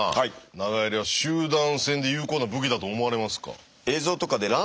長槍は集団戦で有効な武器だと思われますか？